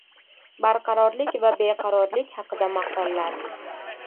Barqarorlik va beqarorlik haqida maqollar.